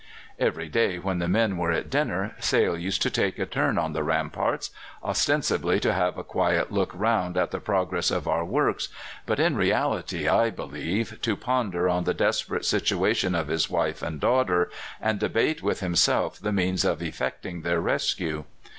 "Every day when the men were at dinner Sale used to take a turn on the ramparts, ostensibly to have a quiet look round at the progress of our works, but in reality, I believe, to ponder on the desperate situation of his wife and daughter, and debate with himself the means of effecting their rescue.